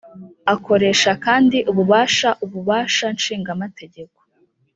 akoresha kandi ububasha ububasha nshingategeko